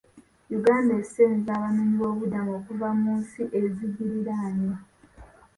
Uganda esenza abanoonyiboobubudamu okuva mu nsi ezigiriraanye.